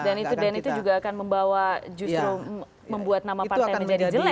dan itu den itu juga akan membawa justru membuat nama partai menjadi jelek kan